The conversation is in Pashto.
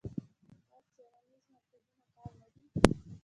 آیا څیړنیز مرکزونه فعال نه دي؟